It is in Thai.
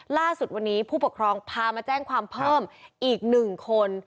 ล่าสุดวันนี้ผู้ปกครองพามาแจ้งความเพิ่มอีก๑คน